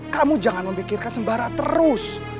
kamu jangan memikirkan sembara terus